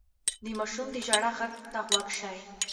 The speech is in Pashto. د ماشوم د ژړا غږ ته غوږ شئ.